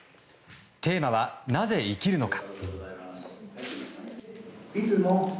テーマは、なぜ生きるのか。